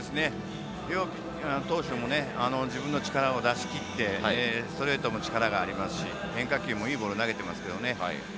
両投手とも自分の力を出し切ってストレートも力がありますし変化球もいいボールを投げていますけどね。